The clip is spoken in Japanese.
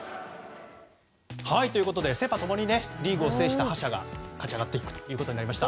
セ・パ共にリーグを制した覇者が勝ち上がっていくということになりました。